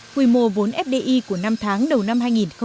quy mô vốn fdi của năm tháng đầu năm hai nghìn một mươi chín